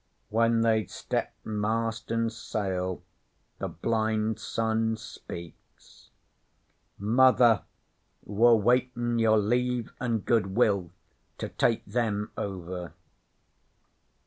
'When they'd stepped mast an' sail the blind son speaks: "Mother, we're waitin' your Leave an' Good will to take Them over."'